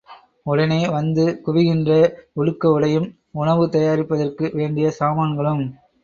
உடனே வந்து, குவிகின்றன உடுக்க உடையும், உணவு தயாரிப்பதற்கு வேண்டிய சாமான்களும்.